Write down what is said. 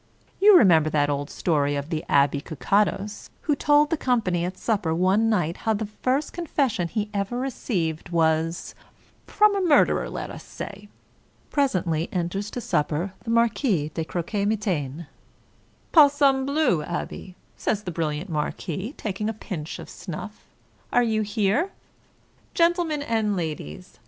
You remember that old story of the Abbe Kakatoes, who told the company at sup per one night how the first confession he ever received was — ^from a murderer, let us say. Presently enters to supper the Marquis de Croquemitaine. " Palsambleu, abbe! " says the brilliant marquis, taking a pinch of snuff, "are you here ? Gentlemen and ladies